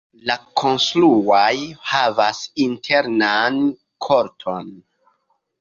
La konstruaĵo havas internan korton.